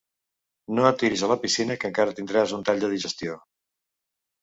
No et tiris a la piscina que encara tindràs un tall de digestió.